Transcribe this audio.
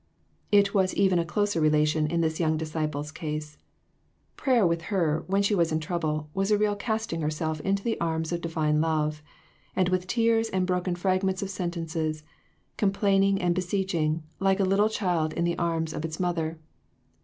K was even a closer relation in this young disciole's case. Prayer, with her, when she was in trouble, was a real casting herself into the arms of divine love, and with tears and broken fragments of sentences, complaining and beseeching, like a little child in the arms of its mother.